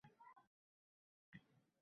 Qabr tepasida uzoq o‘tirdi